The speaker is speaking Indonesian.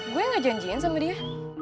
gue gak janjiin sama dia